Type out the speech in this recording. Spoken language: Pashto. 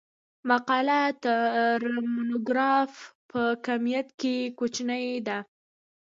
مقاله تر مونوګراف په کمیت کښي کوچنۍ ده.